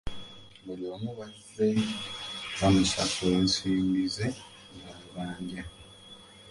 Buli omu bazze bamusasula ensimbi ze z'abanja